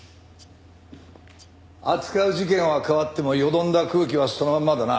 扱う事件は変わってもよどんだ空気はそのまんまだな。